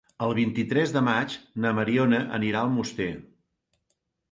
El vint-i-tres de maig na Mariona anirà a Almoster.